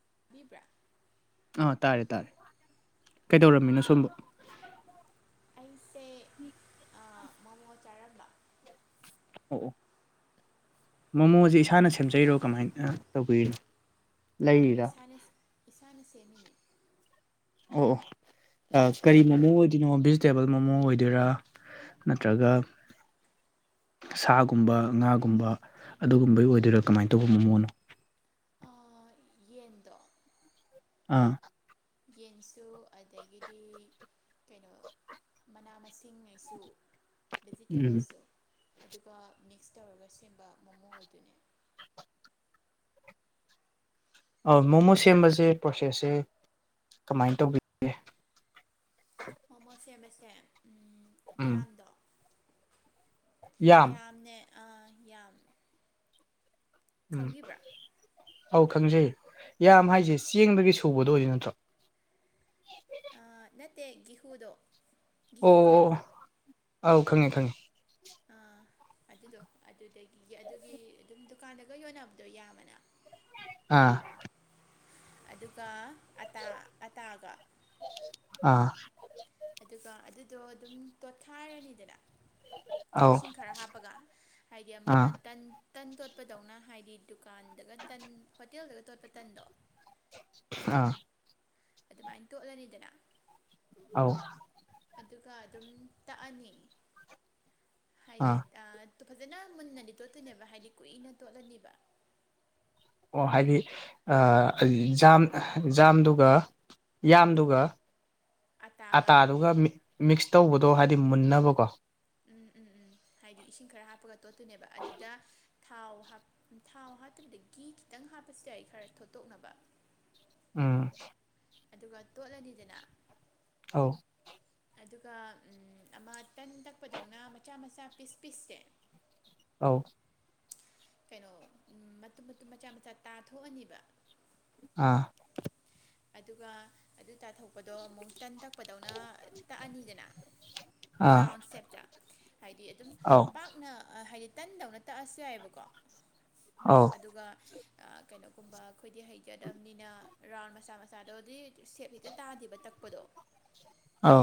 [unintelligible] ꯑꯥ ꯇꯥꯔꯦ ꯇꯥꯔꯦ꯫ ꯑꯥ ꯀꯩꯗꯧꯔꯝꯃꯤꯅꯣ ꯁꯣꯝꯕꯨ꯫ ꯑꯩꯁꯦ ꯑꯥ ꯃꯣꯃꯣ ꯆꯥꯔꯝꯕ꯫ ꯑꯣ ꯑꯣ ꯃꯣꯃꯣꯁꯦ ꯏꯁꯥꯅ ꯁꯦꯝꯖꯩꯔꯣ ꯀꯃꯥꯏꯅ ꯇꯧꯕꯤꯔꯤꯅꯣ꯫ ꯑꯧ ꯂꯩꯔꯤꯔꯥ ꯏꯁꯥꯅ ꯏꯁꯥꯅ ꯁꯦꯝꯃꯤꯅꯦ꯫ ꯑꯣ ꯑꯣ ꯀꯔꯤ ꯃꯣꯃꯣ ꯑꯣꯏꯗꯣꯏꯅꯣ ꯚꯦꯖꯤꯇꯦꯕꯜ ꯃꯣꯃꯣ ꯑꯣꯏꯗꯣꯏꯔꯥ꯫ ꯅꯠꯇ꯭ꯔꯒ ꯁꯥꯒꯨꯝꯕ ꯉꯥꯒꯨꯝꯕ꯫ ꯑꯗꯨꯒꯨꯝꯕꯒꯤ ꯑꯣꯏꯗꯣꯏꯔꯥ ꯎꯝ ꯀꯃꯥꯏꯅ ꯇꯧꯕ ꯃꯣꯃꯣꯅꯣ꯫ ꯑꯥ ꯌꯦꯟꯗꯣ꯫ ꯑꯥ꯫ ꯌꯦꯟꯁꯨ ꯑꯗꯒꯤꯗꯤ ꯀꯩꯅꯣ꯫ ꯃꯅꯥ ꯃꯁꯤꯡꯉꯩꯁꯨ ꯎꯝ ꯚꯦꯖꯤꯇꯦꯕꯜꯁꯨ꯫ ꯑꯗꯨꯒ ꯃꯤꯛꯁ ꯇꯧꯔꯒ ꯁꯦꯝꯕ ꯃꯣꯃꯣ ꯑꯣꯏꯗꯨꯣꯏꯅꯦ꯫ ꯃꯣꯃꯣ ꯁꯦꯝꯕꯁꯦ ꯄ꯭ꯔꯣꯁꯦꯁꯁꯦ ꯀꯃꯥꯏꯅ ꯇꯧꯕꯤꯒꯦ꯫ ꯃꯣꯃꯣ ꯁꯦꯝꯕꯁꯦ ꯎꯝ ꯌꯥꯝꯗꯣ꯫ ꯌꯥꯝ ꯌꯥꯝꯅꯦ ꯑ ꯌꯥꯝ ꯎꯝ ꯈꯪꯕꯤꯕ꯭ꯔꯥ꯫ ꯑꯧ ꯈꯪꯖꯩꯌꯦ ꯌꯥꯝ ꯍꯥꯏꯁꯦ ꯆꯦꯡꯗꯒꯤ ꯁꯨꯕꯗꯣ ꯑꯣꯏꯗꯣꯏ ꯅꯠꯇ꯭ꯔꯣ꯫ ꯑꯥ ꯅꯠꯇꯦ ꯒꯦꯍꯨꯗꯣ꯫ ꯑꯣ ꯑꯣ ꯑꯧ ꯈꯪꯉꯦ ꯈꯪꯉꯦ꯫ ꯑꯥ꯫ ꯑꯗꯨꯗꯣ ꯑꯗꯨꯗꯒꯤ ꯑꯗꯨꯒꯤ ꯑꯗꯨꯝ ꯗꯨꯀꯥꯟꯗꯒ ꯌꯣꯟꯅꯕꯗꯣ ꯌꯥꯝꯑꯅ꯫ ꯑꯥ꯫ ꯑꯗꯨꯒ꯫ ꯑꯇꯥ ꯑꯇꯥꯒ ꯑꯥ꯫ ꯑꯗꯨꯒ ꯑꯗꯨꯗꯣ ꯑꯗꯨꯝ ꯇꯣꯠꯈꯥꯏꯔꯅꯤꯗꯅ꯫ ꯑꯧ ꯏꯁꯤꯡ ꯈꯔ ꯍꯥꯞꯄꯒ ꯍꯥꯏꯗꯤ ꯑꯃ ꯑꯥ ꯇꯟ꯫ ꯇꯟ ꯇꯣꯠꯄꯗꯧꯅ ꯍꯥꯏꯗꯤ ꯗꯨꯀꯥꯟꯗꯒ ꯇꯟ ꯍꯣꯇꯦꯜꯗꯒ ꯇꯣꯠꯄ ꯇꯟꯗꯣ꯫ ꯑꯥ꯫ ꯑꯗꯨꯃꯥꯏꯅ ꯇꯣꯠꯂꯅꯤꯗꯅ꯫ ꯑꯧ꯫ ꯑꯗꯨꯒ ꯑꯗꯨꯝ ꯇꯛꯑꯅꯤ ꯑꯥ ꯍꯥꯏꯗꯤ ꯑ꯫ ꯐꯖꯅ ꯃꯨꯟꯅꯗꯤ ꯇꯣꯠꯇꯣꯏꯅꯦꯕ ꯍꯥꯏꯗꯤ ꯀꯨꯏꯅ ꯇꯣꯠꯂꯅꯤꯕ꯫ ꯑꯣ ꯍꯥꯏꯗꯤ ꯖꯥꯝ ꯖꯥꯝꯗꯨꯒ ꯌꯥꯝꯗꯨꯒ꯫ ꯑꯇꯥꯒ ꯑꯇꯥꯗꯨꯒ ꯃꯤꯛꯁ ꯇꯧꯕꯗꯣ ꯍꯥꯏꯕꯗꯤ ꯃꯨꯟꯅꯕꯀꯣ꯫ [unintelligible] ꯍꯥꯏꯗꯤ ꯏꯁꯤꯡ ꯈꯔ ꯍꯥꯞꯄꯒ ꯇꯣꯠꯇꯨꯅꯦꯕ ꯑꯗꯨꯗ ꯊꯥꯎ ꯊꯥꯎ ꯍꯥꯞꯇꯕꯗ ꯒꯤ ꯈꯤꯇꯪ꯫ ꯅꯪ ꯍꯥꯞꯄꯁꯤꯗ ꯑꯩ ꯈꯔ ꯊꯣꯠꯇꯣꯛꯅꯕ ꯎꯝ ꯑꯗꯨꯒ ꯇꯣꯠꯂꯅꯤꯗꯅ ꯑꯧ ꯑꯗꯨꯒ ꯑꯃ ꯇꯪ ꯇꯛꯄꯗꯧꯅ ꯃꯆꯥ ꯃꯆꯥ ꯄꯤꯁ ꯄꯤꯁꯁꯦ ꯑꯥꯎ ꯀꯩꯅꯣ ꯎꯝ ꯃꯇꯨꯝ ꯃꯇꯨꯝ ꯃꯆꯥ ꯃꯆꯥ ꯇꯥꯊꯣꯛꯑꯅꯤꯕ ꯑꯥ ꯑꯗꯨꯒ ꯑꯗꯨ ꯇꯥꯊꯣꯛꯄꯗꯣ ꯑꯃꯨꯛ ꯇꯟ ꯇꯛꯄꯗꯧꯅ ꯇꯛꯑꯅꯤꯗꯅ ꯑꯥ ꯔꯥꯎꯟ ꯁꯦꯞꯇ ꯍꯥꯏꯗꯤ ꯑꯗꯨꯝ ꯑꯧ ꯄꯥꯛꯅ ꯍꯥꯏꯗꯤ ꯇꯟꯗꯧꯅ ꯇꯛꯑꯁꯨ ꯌꯥꯏꯑꯕꯀꯣ ꯑꯧ ꯑꯗꯨꯒ ꯀꯩꯅꯣꯒꯨꯝꯕ ꯑꯩꯈꯣꯏꯗꯤ ꯍꯩꯖꯗꯕꯅꯤꯅ ꯔꯥꯎꯟ ꯃꯆꯥ ꯃꯆꯥꯗꯣꯗꯤ ꯁꯦꯞ ꯍꯦꯛꯇ ꯇꯥꯗꯦꯕ ꯇꯛꯄꯗꯣ ꯑꯧ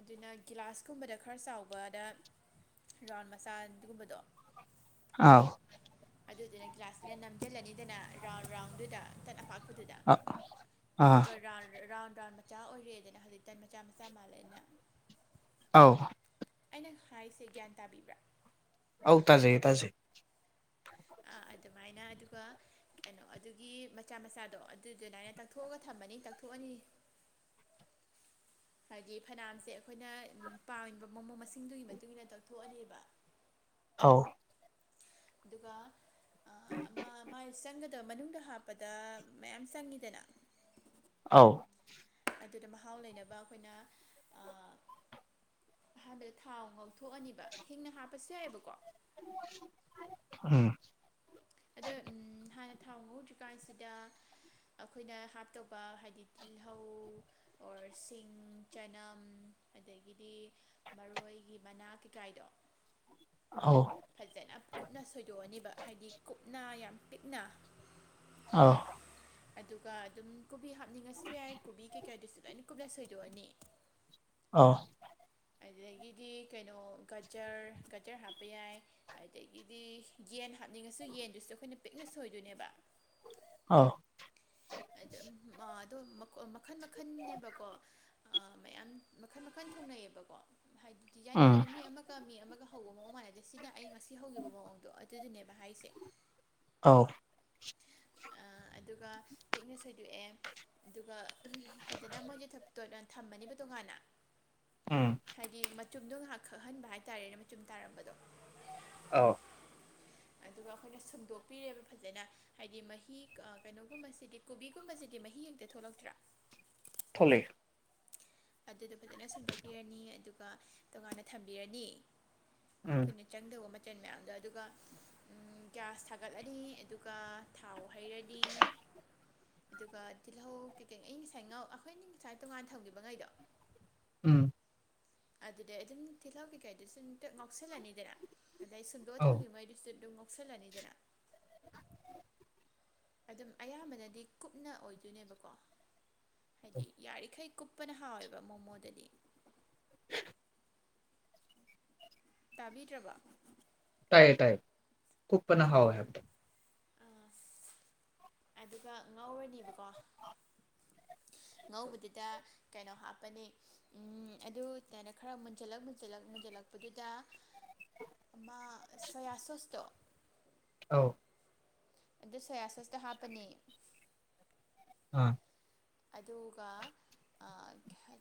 ꯑꯗꯨꯅ ꯒꯤꯂꯥꯁꯀꯨꯝꯕꯗ ꯈꯔ ꯆꯥꯎꯕꯗ ꯔꯥꯎꯟ ꯃꯆꯥ ꯑꯗꯨꯒꯨꯝꯕꯗꯣ ꯑꯥꯎ ꯑꯗꯨꯗꯨꯅ ꯭ꯂꯥꯁꯇꯨꯅ ꯅꯝꯁꯤꯜꯂꯅꯤꯗꯅ ꯔꯥꯎꯟ ꯔꯥꯎꯟꯗꯨꯗꯇꯄꯥꯛ ꯑ ꯑꯥ ꯕ꯭ꯔꯥꯎꯟ ꯃꯆꯥ ꯑꯣꯏꯔꯦꯗꯅ ꯍꯧꯖꯤꯛꯇꯟ ꯃꯆꯥ ꯃꯆꯥ ꯃꯥꯜꯂꯦꯅ ꯑꯥꯎ ꯑꯩꯅ ꯍꯥꯏꯔꯤꯁꯦ ꯒ꯭ꯌꯥꯟ ꯇꯥꯕꯤꯕ꯭ꯔꯥ ꯑꯧ ꯇꯥꯖꯩ ꯇꯥꯖꯩ ꯑ ꯑꯗꯨꯃꯥꯏꯅ ꯑꯗꯨꯒ ꯀꯩꯅꯣ ꯑꯗꯨꯒꯤ ꯃꯆꯥ ꯃꯆꯥꯗꯣ ꯑꯗꯨꯗꯨꯃꯥꯏꯅ ꯇꯛꯊꯣꯛꯑꯒ ꯊꯝꯃꯅꯤ ꯇꯛꯊꯣꯛ ꯑꯅꯤ ꯍꯥꯏꯗꯤ ꯐꯅꯌꯥꯝꯁꯦ ꯑꯩꯈꯣꯏꯅ ꯄꯥꯝꯃꯤꯕ ꯃꯃꯣ ꯃꯁꯤꯡꯗꯨꯒꯤ ꯃꯇꯨꯡ ꯏ ꯃꯇꯨꯡꯏꯟꯅ ꯇꯧꯊꯣꯛꯑꯅꯦꯕ [inaudible] ꯑꯥꯎ ꯑꯗꯨꯒ ꯃꯥꯥꯏ ꯆꯪꯒꯗꯕ ꯃꯅꯨꯡꯗ ꯍꯥꯞꯄꯗ ꯃꯌꯥꯝ ꯆꯪꯉꯤꯗꯅ ꯑꯥꯎ ꯑꯗꯨꯗ ꯃꯍꯥꯎ ꯂꯩꯅꯕ ꯑꯩꯈꯣꯏꯅ ꯑꯍꯥꯟꯕꯗ ꯊꯥꯎ ꯉꯥꯎꯊꯣꯛꯑꯅꯤꯕ ꯍꯤꯡꯅ ꯍꯥꯞꯄꯁꯨ ꯌꯥꯏꯑꯕꯀꯣ ꯎꯝ ꯑꯗꯣ ꯎꯝ ꯍꯥꯟꯅ ꯊꯥꯎ ꯍꯧꯧꯗ꯭ꯔꯤ ꯀꯥꯟꯁꯤꯗ ꯑꯩꯈꯣꯏꯅ ꯍꯥꯞꯇꯧꯕ ꯍꯥꯏꯗꯤ ꯇꯤꯜꯍꯧ ꯑꯣꯔ ꯁꯤꯡ ꯆꯅꯝ ꯑꯗꯒꯤꯗꯤ ꯃꯔꯣꯏꯒꯤ ꯃꯅꯥ ꯀꯩꯀꯥꯏꯗꯣ ꯑꯧ ꯐꯖꯅ ꯀꯨꯞꯅ ꯁꯣꯏꯗꯣꯛꯑꯅꯤꯕ ꯍꯥꯏꯗꯤ ꯀꯨꯞꯅ ꯌꯥꯝ ꯄꯤꯛꯅ [inaudible] ꯑꯗꯨꯒ ꯑꯗꯨꯝ ꯀꯣꯕꯤ ꯍꯥꯞꯅꯤꯡꯉꯁꯨ ꯌꯥꯏ ꯀꯣꯕꯤ ꯀꯩꯀꯥꯗꯨꯁꯨ ꯂꯣꯏꯅ ꯀꯨꯞꯅ ꯁꯣꯏꯗꯣꯛꯑꯅꯤ [inaudible] ꯑꯗꯨꯗꯒꯤꯗꯤ ꯀꯩꯅꯣ ꯒꯖꯔ ꯒꯖꯔ ꯍꯥꯞꯄ ꯌꯥꯏ ꯑꯗꯨꯗꯒꯤꯗꯤ ꯌꯦꯟ ꯍꯥꯞꯅꯤꯡꯉꯁꯨ ꯌꯦꯟꯗꯨꯁꯨ ꯑꯩꯈꯣꯏꯅ ꯄꯤꯛꯅ ꯁꯣꯏꯗꯣꯏꯅꯦꯕ ꯑꯥꯎ ꯑꯗꯣ ꯃꯈꯟ ꯃꯈꯟꯅꯦꯦꯕꯀꯣ ꯃꯌꯥꯝ ꯃꯈꯟ ꯃꯈꯟ ꯊꯣꯡꯅꯩꯌꯦꯕꯀꯣ ꯍꯥꯏꯗꯤ ꯗꯤꯖꯥꯏꯟ ꯎꯝ ꯗꯤꯖꯥꯏꯟ ꯃꯤ ꯑꯃꯒ ꯃꯤ ꯑꯃꯒ ꯍꯧꯕ ꯃꯑꯣꯡ ꯃꯥꯟꯅꯗꯦ ꯁꯤꯅ ꯑꯩ ꯉꯁꯤ ꯍꯧꯈꯤꯕ ꯃꯑꯣꯡꯗꯣ ꯑꯗꯨꯗꯨꯅꯦꯕ ꯍꯥꯏꯁꯦ ꯑꯣ ꯑꯗꯨꯒ ꯄꯤꯛꯅ ꯁꯣꯏꯗꯣꯛꯑꯦ ꯑꯗꯨꯒ ꯐꯖꯅ ꯃꯣꯏꯁꯦ ꯊꯝꯃꯅꯦꯕ ꯇꯣꯉꯥꯟꯅ ꯎꯝ ꯍꯥꯏꯗꯤ ꯃꯆꯨꯝꯗꯣ ꯉꯥꯏꯍꯥꯛ ꯈꯛꯍꯟꯕ ꯍꯥꯏꯇꯥꯔꯦꯅꯦ ꯃꯆꯨꯝ ꯇꯥꯔꯝꯕꯗꯣ ꯑꯧ ꯑꯗꯨ ꯑꯗꯨ ꯑꯗꯨꯒ ꯑꯩꯈꯣꯏꯅ ꯁꯨꯝꯗꯣꯛꯄꯤꯔꯦꯕ ꯐꯖꯅ ꯍꯥꯏꯗꯤ ꯃꯍꯤ ꯀꯩꯅꯣꯒꯨꯝꯕꯁꯤꯗꯤ ꯀꯣꯕꯤꯒꯨꯝꯕꯁꯤꯗꯤ ꯃꯍꯤ ꯑꯃ ꯊꯣꯛꯂꯛꯇ꯭ꯔꯥ ꯊꯣꯛꯂꯛꯑ ꯑꯗꯨꯗꯣ ꯐꯖꯅ ꯁꯨꯝꯗꯣꯛꯄꯤꯔꯅꯤ ꯑꯗꯨꯒ ꯇꯣꯉꯥꯟꯅ ꯊꯝꯕꯤꯔꯅꯤ ꯎꯝ ꯑꯩꯈꯣꯏꯅ ꯆꯪꯗꯕ ꯃꯆꯜ ꯃꯌꯥꯝꯗꯣ ꯑꯗꯨꯒ ꯒ꯭ꯌꯥꯁ ꯊꯥꯒꯠꯂꯅꯤ ꯑꯗꯨꯒ ꯊꯥꯎ ꯍꯩꯔꯅꯤ ꯑꯗꯨꯒ ꯇꯤꯜꯍꯧ ꯀꯩꯀꯩ ꯑꯩ ꯉꯁꯥꯏ ꯉꯥꯎ ꯑꯩꯈꯣꯏ ꯉꯥꯁꯥꯏ ꯉꯁꯥꯏ ꯇꯣꯉꯥꯟꯅ ꯊꯝꯈꯤꯕ ꯈꯩꯗꯣ ꯎꯝ ꯑꯗꯨꯗꯤ ꯑꯗꯨꯝ ꯇꯤꯜꯍꯧ ꯀꯩꯀꯩꯗꯨꯁꯨ ꯑꯗꯨꯝ ꯉꯧꯁꯤꯜꯂꯅꯤꯗꯕ ꯑꯗꯩ ꯁꯨꯝꯗꯣꯛꯑꯥ ꯑꯧ ꯊꯝꯒꯤꯕꯥ ꯒꯩꯗꯨꯁꯨ ꯉꯧꯁꯤꯜꯂꯅꯤ ꯗꯅ ꯑꯗꯨꯝ ꯑꯌꯥꯝꯕꯅꯗꯤ ꯀꯨꯞꯅ ꯑꯣꯏꯗꯣꯏꯅꯦꯕꯀꯣ ꯍꯥꯏꯗꯤ ꯌꯥꯔꯤꯈꯩ ꯀꯨꯞꯄꯅ ꯍꯥꯎꯋꯦꯕ ꯃꯣꯃꯣꯗꯗꯤ ꯕ ꯇꯥꯕꯤꯗ꯭ꯔꯕ ꯇꯌꯦ ꯇꯥꯏꯌꯦ ꯈꯨꯄꯄꯅ ꯍꯥꯎꯏ ꯍꯥꯏꯕꯗꯣ ꯑ ꯑꯗꯨꯒ ꯉꯧꯔꯅꯤꯕꯀꯣ ꯉꯧꯕꯗꯨꯗ ꯀꯩꯅꯣ ꯍꯥꯞꯄꯅꯤ ꯎꯝ ꯑꯗꯨꯗꯥꯏꯅ ꯈꯔ ꯃꯨꯟꯖꯜꯂꯛ ꯃꯨꯟꯖꯜꯂꯛ ꯃꯨꯟꯜꯂꯛ ꯂꯛꯄꯗꯨꯗ ꯁꯣꯌꯥ ꯁꯣꯁꯇꯣ ꯑꯥꯎ ꯑꯗꯨ ꯁꯣꯌꯥꯁꯣꯁꯇꯣ ꯍꯥꯞꯄꯅꯤ ꯎꯝ ꯑꯗꯒꯥ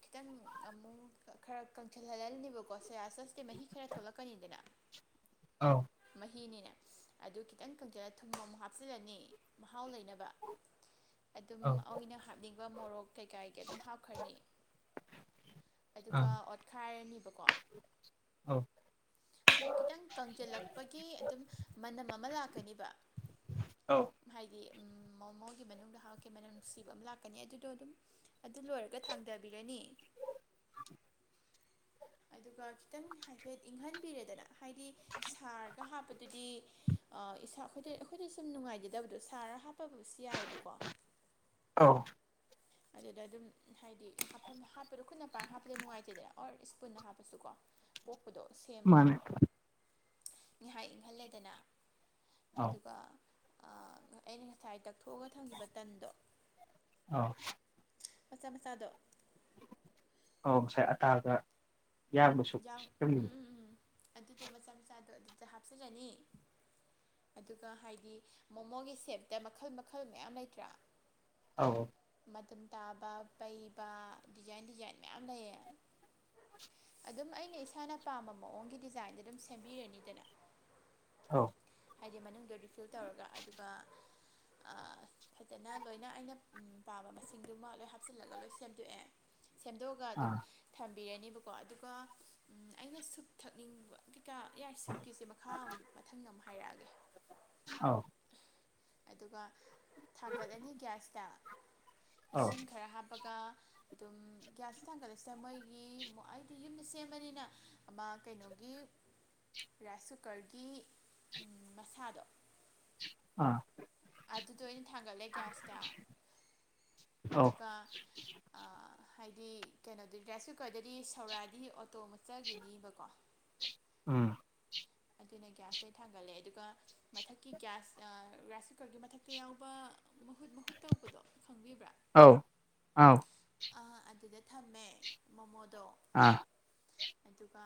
ꯈꯤꯇꯪ ꯑꯃꯨꯛ ꯈꯔ ꯀꯪꯁꯤꯜꯍꯜꯂꯅꯤꯕꯀꯣ ꯁꯌꯥ ꯁꯣꯏꯁ ꯃꯍꯤ ꯈꯔ ꯊꯣꯛꯂꯛ ꯂꯂ ꯀꯅꯤꯗ ꯑꯧ ꯃꯍꯤꯅꯤꯅꯦ ꯑꯗꯨ ꯈꯤꯇꯪ ꯀꯪꯁꯤꯜꯂꯒꯥ ꯊꯨꯝ ꯑꯃꯨꯛ ꯍꯥꯞꯆꯤꯜꯂꯅꯤ ꯃꯍꯥꯎ ꯂꯩꯅꯕ ꯑꯗꯨꯝ ꯑꯧ ꯑꯅ ꯍꯥꯞꯅꯤꯡꯕ ꯃꯣꯔꯣꯛ ꯀꯩꯀꯥꯒꯤ ꯑꯗꯨꯝ ꯍꯥꯞꯈ꯭ꯔꯅꯤ ꯑꯥ ꯑꯗꯨꯒ ꯑꯣꯠꯈꯥꯏꯔꯅꯤꯕꯀꯣ ꯑꯧ ꯑꯗꯨꯝ ꯈꯤꯇꯪ ꯀꯪꯁꯤꯜꯂꯛꯄꯒꯤ ꯑꯗꯨꯝ ꯃꯥꯇꯝ ꯑꯃ ꯂꯥꯛꯀꯅꯤꯕ ꯑꯧ ꯍꯥꯏꯗꯤ ꯎꯝ ꯃꯥ ꯑꯣ ꯃꯣꯏꯒꯤ ꯃꯅꯨꯡꯗ ꯍꯥꯔꯛꯀꯦ ꯃꯅꯝ ꯅꯨꯡꯁꯤꯕ ꯑꯃ ꯂꯥꯛꯀꯅꯤ ꯑꯗꯨꯗꯣ ꯑꯗꯨꯝ ꯑꯗꯨ ꯂꯣꯏꯔꯒ ꯊꯥꯡꯊꯕꯤꯔꯅꯤ ꯁ ꯑꯗꯨꯒ ꯈꯤꯇꯪ ꯍꯥꯏꯐꯦꯠ ꯏꯪꯍꯟꯕꯤꯔꯦꯗꯅ ꯍꯥꯏꯗꯤ ꯁꯥꯔꯒ ꯍꯥꯞꯄꯗꯨꯗꯤ ꯏꯁꯥ ꯑꯩꯈꯣꯏꯗ ꯑꯩꯈꯣꯏꯗ ꯁꯨꯝ ꯅꯨꯡꯉꯥꯏꯖꯗꯕꯗꯣ ꯁꯥꯔ ꯍꯥꯞꯄ ꯐꯕꯁꯨ ꯌꯥꯏꯑꯕꯀꯣ ꯑꯧ ꯑꯗꯨꯗ ꯑꯗꯨꯝ ꯍꯥꯏꯗꯤ ꯍꯥꯞꯐꯝ ꯍꯥꯞꯄꯗꯣ ꯈꯨꯠꯅ ꯄꯥꯏꯔ ꯍꯥꯞꯄꯗ ꯅꯨꯡꯉꯥꯏꯇꯦꯗꯅ ꯑꯣꯔ ꯏꯁꯄꯨꯟꯗ ꯍꯥꯞꯄꯁꯨꯀꯣ ꯄꯣꯛꯄꯗꯣ ꯁꯦꯝꯕꯗꯣ ꯃꯥꯅꯦ ꯉꯥꯏꯍꯥꯛ ꯏꯪꯍꯜꯂꯦꯗꯅ ꯑꯧ ꯑꯗꯨꯒ ꯑꯩꯅ ꯉꯁꯥꯏ ꯇꯛ ꯊꯣꯛꯑꯒ ꯊꯝꯈꯤꯕ ꯇꯟꯗꯣ ꯑꯧ ꯃꯆꯥ ꯃꯆꯥꯗꯣ ꯑ ꯉꯁꯥꯏ ꯑꯇꯥꯒꯥ ꯌꯥꯝꯒꯥ ꯁꯨꯔꯒꯥ ꯌꯥꯝ ꯎꯝ ꯁꯦꯝꯒꯤꯕꯗꯣ ꯎꯝ ꯎꯝ ꯑꯗꯨꯗꯣ ꯃꯆꯥ ꯃꯆꯥꯗꯣ ꯑꯗꯨꯗꯣ ꯍꯥꯞꯆꯤꯜꯂꯅꯤ ꯑꯗꯨꯒ ꯍꯥꯏꯗꯤ ꯃꯣꯃꯣꯒꯤ ꯁꯦꯞꯇ ꯃꯈꯜ ꯃꯈꯜ ꯃꯌꯥꯝ ꯂꯩꯇ꯭ꯔꯥ ꯑꯧ ꯃꯇꯨꯝ ꯇꯥꯕ ꯄꯩꯕ ꯗꯤꯖꯥꯏꯟ ꯗꯤꯖꯥꯏꯟ ꯃꯌꯥꯝ ꯂꯩꯔꯦ ꯑꯗꯨꯝ ꯑꯩꯅ ꯏꯁꯥꯅ ꯄꯥꯝꯕ ꯃꯑꯣꯡꯒꯤ ꯗꯤꯖꯥꯏꯟꯗ ꯑꯗꯨꯝ ꯁꯦꯝꯕꯤꯔꯅꯤꯗꯅ ꯑꯧ ꯍꯥꯏꯗꯤ ꯃꯅꯨꯡꯗꯗꯨ ꯑꯗꯨ ꯐꯤꯜ ꯇꯧꯔꯒ ꯑꯗꯨꯒ ꯐꯖꯅ ꯂꯣꯏꯅ ꯑꯩꯅ ꯄꯥꯝꯕ ꯃꯁꯤꯡꯗꯨꯃ ꯂꯣꯏ ꯍꯥꯞꯆꯤꯜꯂꯒ ꯂꯣꯏ ꯁꯦꯝꯗꯣꯛꯑꯦ ꯁꯦꯝꯗꯣꯛꯑꯒ ꯑꯗꯨꯝ ꯑꯥ ꯊꯝ ꯄꯕꯤꯔꯅꯦꯕꯀꯣ ꯑꯗꯨꯒ ꯑꯩꯅ ꯁꯨꯞ ꯊꯛꯅꯤꯡꯕ ꯀꯩꯀꯥ ꯌꯥꯔ ꯁꯨꯞꯀꯤꯁꯦ ꯃꯈꯥ ꯃꯊꯪꯗ ꯑꯃꯨꯛ ꯍꯥꯏꯔꯛꯑꯒꯦ ꯑꯥꯎ ꯑꯗꯨꯒ ꯊꯥꯡꯒꯠꯂꯅꯤ ꯒ꯭ꯌꯥꯁꯇ ꯑꯧ ꯏꯁꯤꯡ ꯈꯔ ꯍꯥꯞꯄꯒ ꯑꯗꯨꯝ ꯒ꯭ꯌꯥꯁ ꯊꯥꯡꯒꯠꯂꯁꯤ ꯃꯣꯏꯒꯤ ꯑꯩꯗꯤ ꯌꯨꯝꯗ ꯁꯦꯝꯕꯅꯤꯅ ꯃꯥ ꯀꯩꯅꯣꯒꯤ ꯔꯥꯏꯁ ꯀꯨꯀꯔꯒꯤ ꯃꯁꯥꯗꯣ ꯑꯥ ꯑꯗꯨꯗꯣ ꯑꯩꯅ ꯊꯥꯡꯒꯠꯂꯦ ꯒ꯭ꯌꯥꯁꯇ ꯑꯧ ꯑꯗꯨꯒ ꯍꯥꯏꯗꯤ ꯀꯩꯅꯣꯗ ꯔꯥꯏꯁ ꯀꯨꯀꯔꯗꯗꯤ ꯁꯧꯔꯥꯗꯤ ꯑꯣꯇꯣ ꯃꯆꯈꯤꯅꯤꯕꯀꯣ ꯎꯝ ꯑꯗꯨꯅ ꯒ꯭ꯌꯥꯁꯇ ꯊꯥꯡꯒꯠꯂꯦ ꯑꯗꯨꯒ ꯃꯊꯛꯀꯤ ꯒ꯭ꯌꯥꯁ ꯔꯥꯏꯁ ꯀꯨꯀꯔꯒꯤ ꯃꯊꯛꯇ ꯌꯥꯎꯕ ꯃꯍꯨꯠ ꯃꯍꯨꯠ ꯇꯧꯕꯗꯣ ꯈꯪꯕꯤꯕ꯭ꯔꯥ ꯑꯥꯎ ꯑꯥꯎ ꯑ ꯑꯗꯨꯗ ꯊꯝꯃꯦ ꯃꯣꯃꯣꯗꯣ ꯑꯥ ꯑꯗꯨꯒ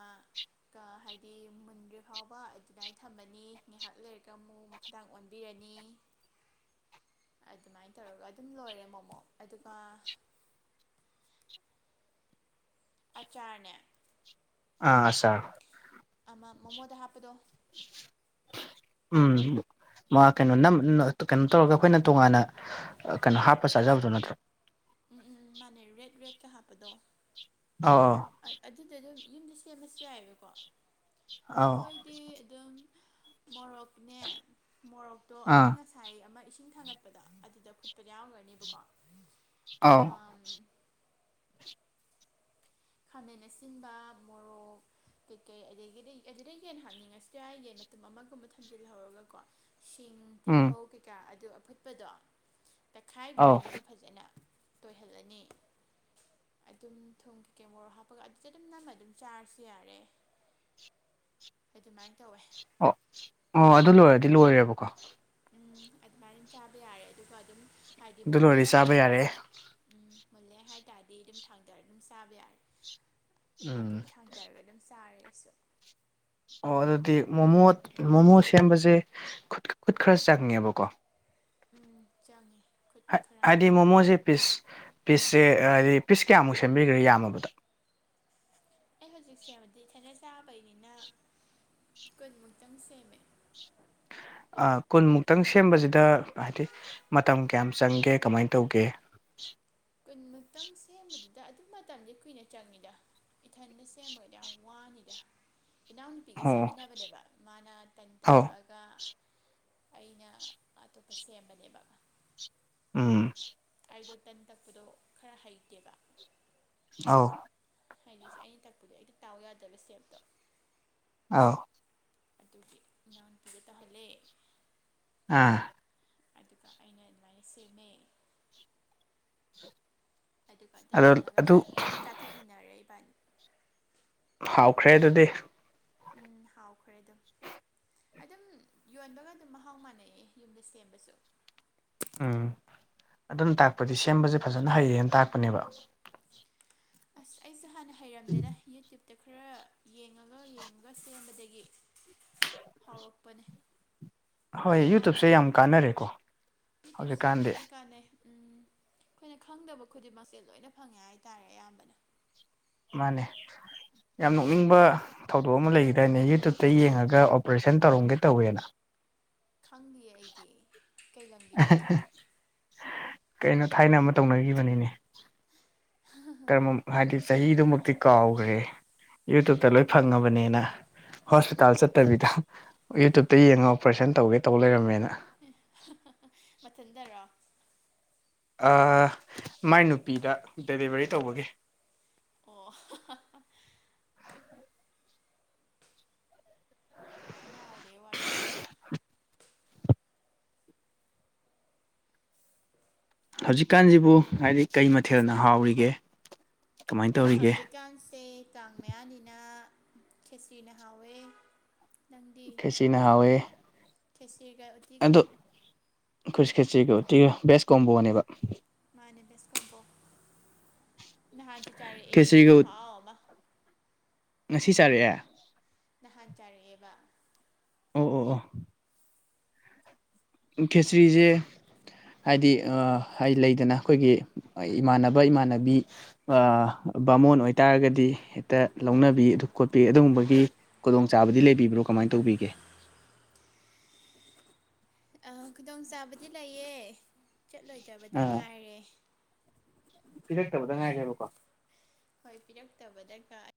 ꯍꯥꯏꯗꯤ ꯃꯨꯟꯒꯤ ꯐꯥꯎꯕ ꯑꯗꯨꯃꯥꯏꯅ ꯊꯝꯃꯅꯤ ꯉꯥꯏꯍꯥꯛ ꯂꯩꯔꯒ ꯑꯃꯨꯛ ꯃꯈꯥꯗꯡ ꯑꯣꯟꯕꯤꯔꯅꯤ ꯑꯗꯨꯃꯥꯏꯅ ꯇꯧꯔꯒ ꯑꯗꯨꯝ ꯂꯣꯏꯔꯦ ꯃꯣꯃꯣ ꯑꯗꯨꯒ [unintelligible] ꯑꯆꯥꯔꯅꯦ ꯑꯥ ꯑꯆꯥꯥꯔ ꯑꯃ ꯃꯣꯃꯣꯗ ꯍꯥꯞꯄꯗꯣ ꯎꯝ ꯀꯩꯅꯣ ꯀꯩꯅꯣ ꯇꯧꯔꯒ ꯑꯩꯈꯣꯏꯅ ꯇꯣꯉꯥꯟꯅ ꯀꯩꯅꯣ ꯍꯥꯞꯄ ꯆꯥꯖꯕꯗꯣ ꯅꯠꯇ꯭ꯔꯣ ꯎꯝ ꯎꯝ ꯃꯥꯅꯦ ꯔꯦꯠ ꯔꯦꯇꯀ ꯍꯥꯞꯄꯗꯣ ꯑꯥ ꯑꯣ ꯑꯗꯨꯗꯣ ꯑꯗꯨꯝ ꯌꯨꯝꯗ ꯁꯦꯝꯃꯁꯨ ꯌꯥꯏꯕꯀꯣ ꯑꯧ ꯑꯩꯈꯣꯏꯗꯤ ꯑꯗꯨꯝ ꯃꯣꯔꯣꯛꯅꯦ ꯃꯣꯔꯣꯛꯇꯣ ꯑꯥ ꯑꯩꯅ ꯉꯁꯥꯏ ꯑꯃ ꯏꯁꯤꯡ ꯊꯥꯡꯒꯠꯄꯗ ꯑꯗꯨꯗ ꯐꯨꯠꯄ ꯌꯥꯝꯎꯈ꯭ꯔꯅꯦꯕꯀꯣ ꯑꯥꯎ ꯈꯥꯃꯟꯅ ꯑꯁꯤꯟꯕ ꯃꯣꯔꯣꯛ ꯀꯩꯀꯩ ꯑꯗꯒꯤꯗꯤ ꯑꯗꯨꯗꯒꯤꯩ ꯌꯦꯟ ꯍꯥꯞꯅꯤꯡꯉꯁꯤ ꯌꯥꯏ ꯌꯦꯟ ꯃꯇꯨꯝ ꯑꯃꯒꯨꯝꯕ ꯊꯝꯖꯤꯜꯍꯧꯔꯒ ꯀꯣ ꯁꯤꯡ ꯎꯝ ꯇꯤꯜꯍꯧ ꯀꯩꯀꯥ ꯑꯗꯨ ꯑꯐꯨꯠꯄꯗꯣ ꯑꯧ ꯇꯛꯈꯥꯏꯕꯤꯔꯅꯤꯕ ꯐꯖꯅ ꯇꯣꯏꯍꯜꯂꯅꯤ ꯑꯗꯨꯝ ꯊꯨꯃ ꯃꯣꯔꯣꯛ ꯍꯥꯞꯄꯒ ꯑꯗꯨꯗ ꯑꯗꯨꯝ ꯅꯝꯃꯒ ꯑꯗꯨꯝ ꯆꯥꯔꯁꯨ ꯌꯥꯔꯦ ꯑꯗꯨꯃꯥꯏꯅ ꯇꯧꯋꯦ ꯑꯣ ꯑꯣ ꯑꯗꯨ ꯂꯣꯏꯔꯗꯤ ꯂꯣꯏꯔꯦꯕꯀꯣ ꯎꯝ ꯑꯗꯨꯃꯥꯏ ꯑꯗꯨꯝ ꯆꯥꯕ ꯌꯥꯔꯦ ꯑꯗꯨꯒ ꯑꯗꯨꯝ ꯍꯥꯏꯗꯤ ꯑꯗꯨ ꯃꯨꯜꯂꯦ ꯂꯣꯏꯔꯗꯤ ꯆꯥꯕ ꯌꯥꯔꯦ ꯍꯥꯏꯔꯀꯥꯟꯗ ꯎꯝ ꯃꯨꯜꯂꯦ ꯍꯥꯏꯇꯥꯔꯗꯤ ꯑꯗꯨꯝ ꯊꯥꯡꯗꯔ ꯑꯗꯨꯝ ꯆꯥꯕ ꯌꯥꯔꯦ ꯎꯝ ꯑꯗꯨꯝ ꯊꯥꯡꯊꯔꯒ ꯑꯗꯨꯝ ꯆꯥꯔꯦ ꯑꯩꯁꯨ ꯑꯣ ꯑꯗꯨꯗꯤ ꯃꯣꯃꯣ ꯃꯣꯃꯣ ꯁꯦꯝꯕꯁꯦ ꯈꯨꯠ ꯈꯨꯠ ꯈꯔ ꯆꯪꯉꯦꯕꯀꯣ ꯎꯝ ꯆꯪꯉꯦ ꯈꯨꯠ ꯈꯔ ꯍꯥꯏꯗꯤ ꯃꯣꯃꯣꯁꯦ ꯄꯤꯁ ꯄꯤꯁꯁꯦ ꯍꯥꯏꯗꯤ ꯄꯤꯁ ꯀꯌꯥꯃꯨꯛ ꯁꯦꯝꯕꯤꯈ꯭ꯔꯦ ꯌꯥꯝꯃꯕꯗ ꯑꯩ ꯍꯧꯖꯤꯛꯁꯦꯕꯗꯤ ꯈꯦꯠꯅꯖꯦ ꯆꯥꯕꯩꯅꯤꯅ ꯀꯨꯟꯃꯨꯛꯇꯪ ꯁꯦꯝꯃꯦ ꯀꯨꯟꯃꯨꯛꯇꯪ ꯁꯦꯝꯕꯁꯤꯗ ꯍꯥꯏꯗꯤ ꯃꯇꯝ ꯀꯌꯥꯝ ꯆꯪꯒꯦ ꯀꯃꯥꯏꯅ ꯇꯧꯒꯦ [inaudible] ꯀꯨꯟꯃꯨꯛꯇꯝ ꯁꯦꯝꯕꯗꯨꯗ ꯑꯗꯨ ꯃꯇꯝꯁꯦ ꯀꯨꯏꯅ ꯆꯪꯉꯤꯗ ꯏꯊꯟꯗ ꯁꯦꯝꯃꯒꯗꯤ ꯌꯥꯝ ꯋꯥꯅꯤꯗ ꯏꯅꯥꯎꯅꯨꯄꯤꯒ ꯑꯣ ꯁꯦꯝꯃꯤꯟꯅꯕꯅꯦꯕ ꯃꯥꯅ ꯇꯟ ꯑꯧ ꯇꯛꯂꯛꯑꯒ ꯑꯩꯅ ꯑꯇꯣꯞꯄ ꯁꯦꯝꯕꯅꯦꯕ ꯎꯝ ꯑꯩꯗꯣ ꯇꯟ ꯇꯛꯄꯗꯣ ꯈꯔ ꯍꯩꯇꯦꯕ ꯑꯥꯎ ꯍꯥꯏꯗꯤꯦ ꯑꯩꯅ ꯇꯛꯄꯗꯤ ꯑꯩꯗꯤ ꯇꯥꯎ ꯌꯥꯗꯕ ꯁꯇꯦꯞꯇꯣ ꯑꯥꯎ ꯑꯗꯨꯗꯤ ꯅꯥꯍꯥꯟ ꯀꯤꯒꯦ ꯇꯥꯍꯜꯂꯦ [unintelligible] ꯑꯗꯨꯒ ꯑꯩꯅ ꯑꯗꯨꯃꯥꯏꯅ ꯁꯦꯝꯃꯦ ꯑꯗꯨꯒ ꯑꯗꯨꯝ ꯑꯗꯣ ꯃꯨꯜꯂꯒ ꯑꯗꯨ ꯑꯗꯨꯝ ꯆꯥꯊꯣꯛꯃꯤꯟꯅꯔꯛꯏ ꯏꯕꯥꯅꯤ ꯍꯥꯎꯈ꯭ꯔꯦ ꯑꯗꯨꯗꯤ ꯎꯝ ꯍꯥꯎꯈ꯭ꯔꯦ ꯑꯗꯨꯝ [unintelligible] ꯑꯗꯨꯝ ꯌꯣꯟꯕꯒ ꯑꯗꯨꯝ ꯃꯍꯥꯎ ꯃꯥꯟꯅꯩꯑ ꯌꯨꯝꯗ ꯁꯦꯝꯕꯁꯨ ꯎꯝ ꯑꯗꯨꯅ ꯇꯥꯛꯄꯗꯤ ꯁꯦꯝꯕꯁꯦ ꯐꯖꯅ ꯍꯩꯌꯦꯅ ꯇꯥꯛꯄꯅꯦꯕ ꯑꯁ ꯑꯩꯁꯦ ꯍꯥꯟꯅ ꯍꯩꯔꯝꯗꯦꯅ ꯌꯨꯇꯞ ꯍꯦ ꯈꯔ ꯌꯦꯡꯉꯒ ꯌꯦꯡꯉꯒ ꯁꯦꯝꯕꯗꯒꯤ ꯍꯧꯔꯛꯄꯅꯤ ꯍꯣꯏ ꯌꯨꯇꯨꯞꯁꯦ ꯌꯥꯝ ꯀꯥꯟꯅꯔꯦꯀꯣ ꯃꯤ ꯇꯞꯁꯦ ꯍꯧꯖꯤꯛꯀꯥꯟꯗꯤ ꯂꯣꯏꯅꯦ ꯀꯥꯟꯅꯩ ꯎꯝ ꯑꯩꯈꯣꯏꯅ ꯈꯪꯗꯕ ꯈꯨꯗꯤꯡꯃꯛꯁꯦ ꯂꯣꯏꯅ ꯐꯪꯉꯦ ꯍꯥꯏꯇꯥꯔꯦ ꯑꯌꯥꯝꯕꯅ ꯃꯥꯅꯦ ꯌꯥꯝ ꯅꯣꯛꯅꯤꯡꯕ ꯊꯧꯗꯣꯛ ꯑꯃ ꯂꯩꯗꯅꯦ ꯌꯨꯇ꯭ꯌꯨꯕꯇ ꯌꯦꯡꯉꯒ ꯑꯣꯄꯔꯦꯁꯟ ꯇꯧꯔꯝꯒꯦ ꯇꯧꯋꯦꯅ ꯈꯪꯗꯤꯌꯦ ꯑꯩꯗꯤ ꯀꯩ ꯂꯝꯒꯤꯅꯦ ꯀꯩꯅꯣ ꯊꯥꯏꯅ ꯑꯃ ꯇꯧꯅꯈꯤꯕꯅꯤꯅꯦ ꯍꯥꯏꯗꯤ ꯆꯍꯤꯗꯨꯃꯨꯛꯇꯤ ꯀꯥꯎꯈ꯭ꯔꯦ ꯌꯨꯇ꯭ꯕꯇ ꯂꯣꯏ ꯐꯪꯉꯕꯅꯤꯅ ꯍꯣꯁꯄꯤꯇꯥꯜ ꯆꯠꯇꯕꯤꯗ ꯌꯨꯇꯨꯕꯇ ꯌꯦꯡꯉꯒ ꯑꯣꯄꯔꯦꯁꯟ ꯇꯧꯒꯦ ꯇꯧ ꯂꯩꯔꯝꯃꯦꯅ ꯁꯊꯟꯗꯔꯥ ꯃꯥꯏ ꯅꯨꯨꯄꯤꯗ ꯗꯦꯂꯤꯚꯔꯤ ꯇꯧꯕꯒꯤ ꯑꯣ ꯂꯩ ꯋꯥꯂꯤꯁ [unintelligible] ꯍꯧꯖꯤꯛꯀꯥꯟꯁꯤꯕꯨ ꯍꯥꯏꯗꯤ ꯀꯩ ꯃꯊꯦꯜꯅ ꯍꯥꯎꯔꯤꯒꯦ ꯀꯃꯥꯏꯅ ꯇꯧꯔꯤꯒꯦ ꯍꯧꯖꯤꯛꯀꯥꯟꯁꯦ ꯀꯥꯡ ꯃꯌꯥꯅꯤꯅ ꯈꯦꯁꯤ꯭ꯔꯤꯅ ꯍꯥꯎꯋꯦ ꯈꯦꯁꯤꯅꯍꯋꯦ ꯈꯦꯁꯤꯔꯤꯒ ꯎꯇꯤꯒ ꯈꯁꯤ ꯈꯦꯁꯤꯒ ꯎꯇꯤꯒꯥ ꯕꯦꯁ ꯀꯝꯝꯕꯣꯅꯦꯕ ꯃꯥꯅꯦꯁꯣ ꯅꯍꯥꯟ ꯆ ꯆꯔꯦ ꯑꯦ ꯈꯨ ꯈꯦꯆ꯭ꯔꯤꯒ ꯍꯥꯎ ꯑꯃ ꯉꯁꯤ ꯆꯥꯔꯛꯑꯦ ꯅꯍꯥꯟ [unintelligible] ꯑꯣ ꯑꯣ ꯑꯣ ꯈꯦꯆꯔꯤꯁꯦ ꯍꯥꯏꯗꯤ ꯑꯩ ꯂꯩꯗꯅ ꯑꯩꯈꯣꯏꯒꯤ ꯏꯃꯥꯟꯅꯕ ꯏꯃꯥꯟꯅꯕꯤ ꯕꯥꯃꯣꯟ ꯑꯣꯏꯇꯥꯔꯒꯗꯤ ꯍꯦꯛꯇ ꯂꯧꯅꯕꯤ ꯑꯗꯨ ꯈꯣꯠꯄꯤ ꯑꯗꯨꯒꯨꯝꯕꯒꯤ ꯈꯨꯗꯣꯡꯆꯥꯕꯗꯤ ꯂꯩꯕꯤꯕ꯭ꯔꯣ ꯀꯃꯥꯏꯅ ꯇꯧꯕꯤꯒꯦ [unintelligible] ꯑ ꯈꯨꯗꯣꯡ ꯆꯥꯕꯗꯤ ꯂꯩꯌꯦ ꯆꯠꯂꯣꯏꯗꯕꯗ ꯑꯥ ꯉꯥꯏꯔꯦ ꯄꯤꯔꯛꯇꯕꯗ ꯉꯥꯏꯈ꯭ꯔꯦꯕꯀꯣ [unintelligible]